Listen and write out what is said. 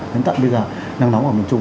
đến tận bây giờ nắng nóng ở miền trung